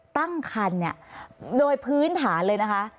ตั้งคันโดยพื้นฐานเลยนะคะ